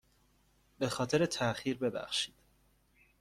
به خاطر تاخیر ببخشید.